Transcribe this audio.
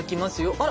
あら！